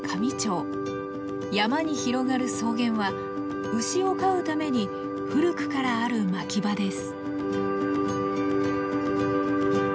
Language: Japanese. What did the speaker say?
山に広がる草原は牛を飼うために古くからある牧場です。